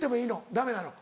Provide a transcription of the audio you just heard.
ダメなの？